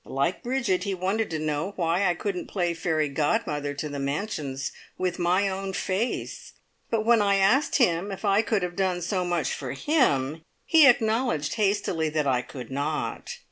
Like Bridget, he wanted to know why I couldn't play fairy godmother to the "Mansions" with my own face; but when I asked him if I could have done so much for him, he acknowledged hastily that I could not.